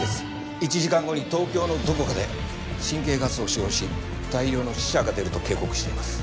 １時間後に東京のどこかで神経ガスを使用し大量の死者が出ると警告しています